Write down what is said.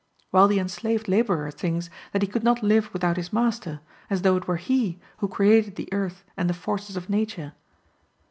While the enslaved laborer thinks that he could not live without his master, as though it were he who created the earth and the forces of nature.